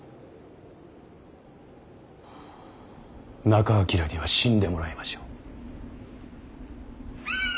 仲章には死んでもらいましょう。